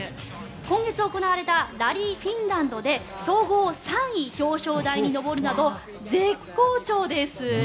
今月行われたラリーフィンランドで総合３位、表彰台に上るなど絶好調です。